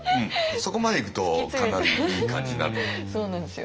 そこまでいくとかなりいい感じになると思います。